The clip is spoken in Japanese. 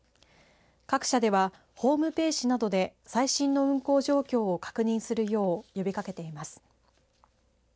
各社ではホームページなどで最新の運航状況を確認するよう呼びかけています。